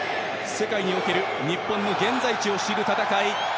世界における日本の現在地を知る戦い